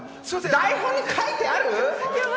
台本に書いてある？